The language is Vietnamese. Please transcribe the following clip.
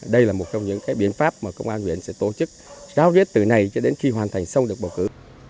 đây là một trong những biện pháp mà công an huyện sẽ tổ chức giáo viết từ này cho đến khi hoàn thành xong được bầu cử